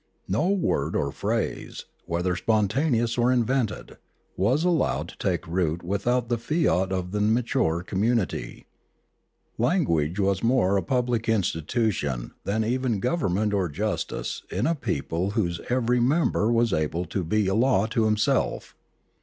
No word or phrase, whether spontaneous or invented, was allowed to take root without the fiat of the mature community. Language was more a public institution than even gov ernment or justice in a people whose every member 407 408 Limanora was able to be a law to himself.